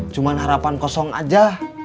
cuma harapan kosong aja